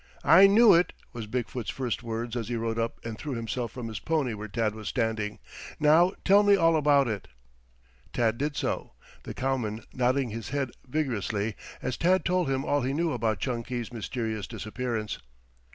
"I knew it," was Big foot's first words as he rode up and threw himself from his pony where Tad was standing. "Now tell me all about it." Tad did so, the cowman nodding his head vigorously as Tad told him all he knew about Chunky's mysterious disappearance.